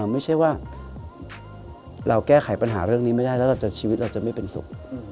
ไม่ใช่ว่าเราแก้ไขปัญหาเรื่องนี้ไม่ได้แล้วชีวิตเราจะไม่เป็นสุข